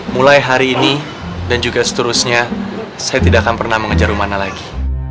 mulai hari ini dan juga seterusnya saya tidak akan pernah mengejar rumah lagi